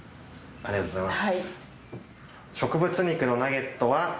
ありがとうございます。